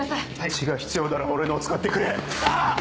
血が必要なら俺のを使ってくれなぁ！